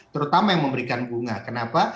terutama yang memberikan bunga kenapa